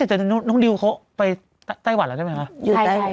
แต่น้องดิวเขาไปไต้หวันแล้วใช่ไหมคะ